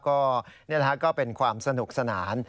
ก็นี่นะครับก็เป็นความสนุกสนาน